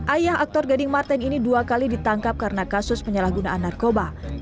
ayah aktor gading marten ini dua kali ditangkap karena kasus penyalahgunaan narkoba